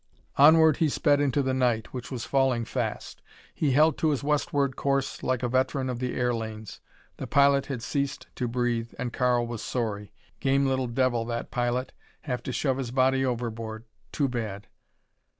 Onward he sped into the night, which was falling fast. He held to his westward course like a veteran of the air lanes. The pilot had ceased to breathe and Karl was sorry. Game little devil, that pilot. Have to shove his body overboard. Too bad.